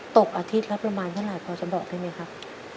ตกอาทิตย์และประมาณขนาดพอจะบอกได้ไหมครับ